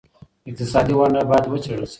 اقتصادي ونډه باید وڅېړل شي.